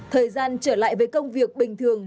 thời gian trở lại với công việc bình thường